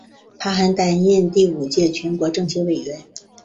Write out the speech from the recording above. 他还任第五届全国政协委员。